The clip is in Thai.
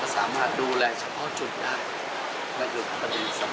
ก็สามารถดูแลเฉพาะจุดได้